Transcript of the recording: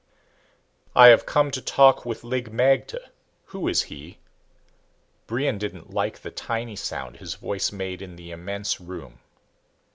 "I have come to talk with Lig magte. Who is he?" Brion didn't like the tiny sound his voice made in the immense room.